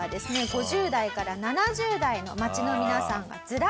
５０代から７０代の町の皆さんがずらり。